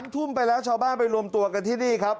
ทุ่มไปแล้วชาวบ้านไปรวมตัวกันที่นี่ครับ